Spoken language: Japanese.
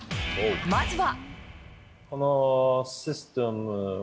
まずは。